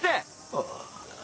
ああ。